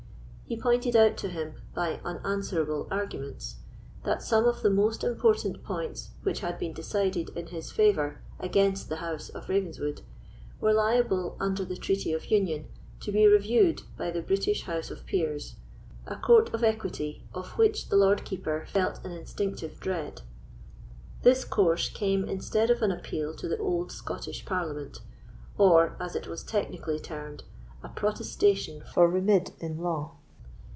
He pointed out to him, by unanswerable arguments, that some of the most important points which had been decided in his favour against the house of Ravenswood were liable, under the Treaty of Union, to be reviewed by the British House of Peers, a court of equity of which the Lord Keeper felt an instinctive dread. This course came instead of an appeal to the old Scottish Parliament, or, as it was technically termed, "a protestation for remeid in law."